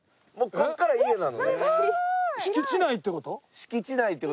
敷地内って事？